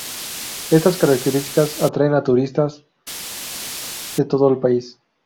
Estas características atraen a a turistas de todo el país.